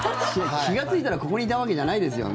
気がついたらここにいたわけじゃないですよね？